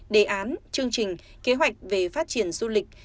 đề án chương trình kế hoạch về phát triển du lịch